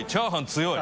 強い！